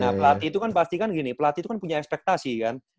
nah pelati itu kan pastikan gini pelati itu kan punya ekspektasi kan